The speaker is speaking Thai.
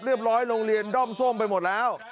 ร้อยโรงเรียนด้อมส้มไปหมดแล้ว